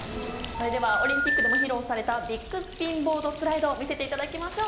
それではオリンピックでも披露されたビッグスピンボードスライドを見せていただきましょう。